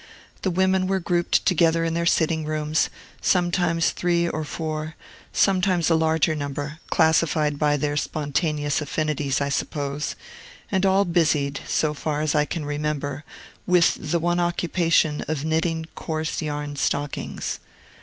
The women were grouped together in their sitting rooms, sometimes three or four, sometimes a larger number, classified by their spontaneous affinities, I suppose, and all busied, so far as I can remember, with the one occupation of knitting coarse yarn stockings.